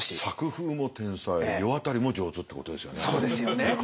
作風も天才世渡りも上手ってことですよね。